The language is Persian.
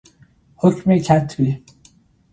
حکم کتبی